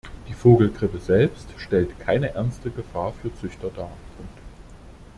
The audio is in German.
Die Vogelgrippe selbst stellt keine ernste Gefahr für Züchter dar.